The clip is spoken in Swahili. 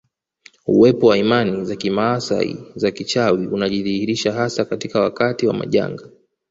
Uwepo wa imani za kimaasai za kichawi unajidhihirisha hasa katika wakati wa majanga